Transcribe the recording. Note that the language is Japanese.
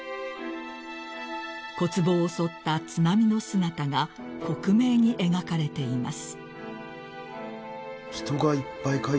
［小坪を襲った津波の姿が克明に描かれています］